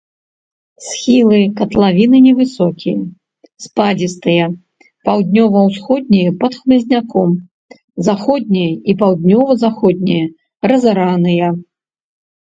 Схілы катлавіны невысокія, спадзістыя, паўднёва-ўсходнія пад хмызняком, заходнія і паўднёва-заходнія разараныя.